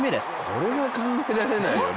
これが考えられないよね。